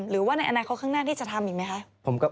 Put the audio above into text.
หรือว่าในอนาคตข้างหน้าที่จะทำอีกไหมคะ